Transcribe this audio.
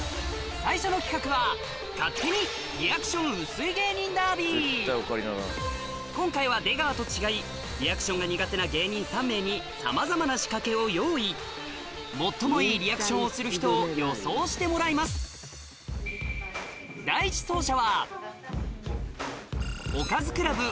最初の企画は今回は出川と違いリアクションが苦手な芸人３名にさまざまな仕掛けを用意最もいいリアクションをする人を予想してもらいますそして